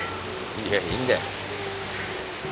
いやいいんだよ。